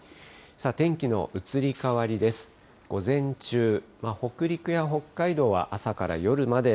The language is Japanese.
天気の移り変わりです。